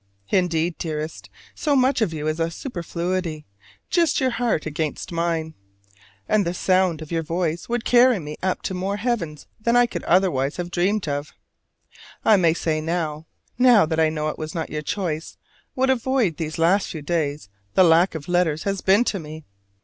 Indeed, dearest, so much of you is a superfluity: just your heart against mine, and the sound of your voice, would carry me up to more heavens than I could otherwise have dreamed of. I may say now, now that I know it was not your choice, what a void these last few days the lack of letters has been to me.